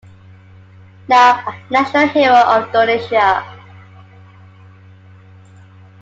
Now a National Hero of Indonesia.